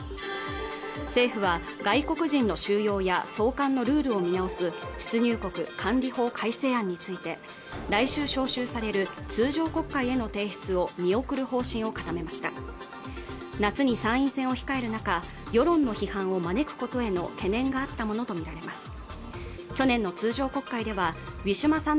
政府は外国人の収容や送還のルールを見直す出入国管理法改正案について来週召集される通常国会への提出を見送る方針を固めました夏に参院選を控える中世論の批判を招くことへの懸念があったものと見られます